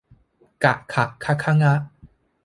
กะขะคะฆะงะ